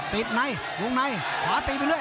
ติดไหนวงในขวาตีไปเลย